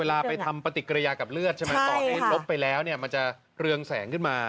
เวลาไปทำปฏิกิริยากับเลือดใช่ไหมตอนนี้ลบไปแล้วเนี่ยมันจะเรืองแสงขึ้นมา